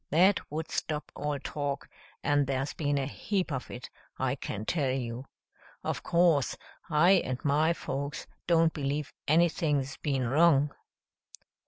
That would stop all talk, and there's been a heap of it, I can tell you. Of course, I and my folks don't believe anything's been wrong."